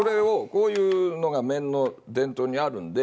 こういうのが面の伝統にあるんで。